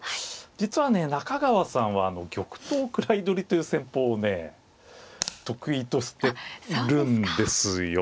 実はね中川さんは玉頭位取りという戦法をね得意としてるんですよ。